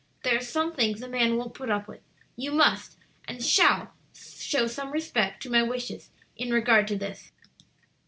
There are some things a man won't put up with. You must and shall show some respect to my wishes in regard to this."